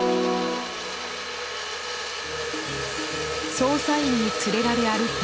捜査員に連れられ歩く